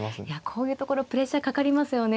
こういうところプレッシャーかかりますよね。